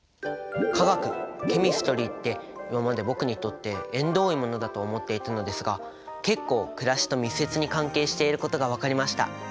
「化学」「Ｃｈｅｍｉｓｔｒｙ」って今まで僕にとって縁遠いものだと思っていたのですが結構暮らしと密接に関係していることが分かりました。